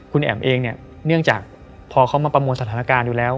คุณแอ๋มเองเนี่ยเนื่องจากพอเขามาประมวลสถานการณ์อยู่แล้ว